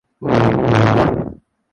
اس وقت کے سینئر جرنیل۔